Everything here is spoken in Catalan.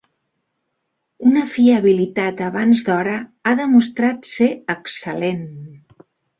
Una fiabilitat abans d'hora ha demostrat ser excel·lent.